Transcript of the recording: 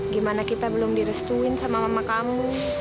gimana kita belum direstuin sama mama kamu